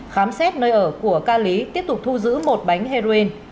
khám xét nơi ở của ca lý tiếp tục thu giữ một bánh heroin